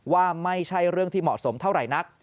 ว่าไม่ใช่เรื่องที่เหมาะสมเท่าไหร่นัก